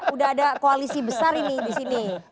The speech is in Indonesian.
udah ada koalisi besar ini di sini